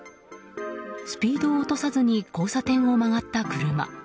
スピードを落とさずに交差点を曲がった車。